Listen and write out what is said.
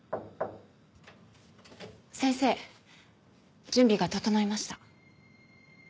先生準備が整いました。